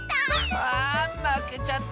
あぁまけちゃった。